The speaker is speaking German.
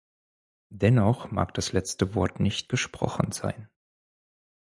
Dennoch mag das letzte Wort nicht gesprochen sein.